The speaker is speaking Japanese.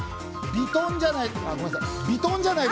ヴィトンじゃない？